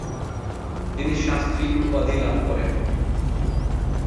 তিনি 'শাস্ত্রী' উপাধি লাভ করেন।